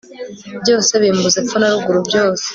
byose, bimbuza epfo na ruguru, byose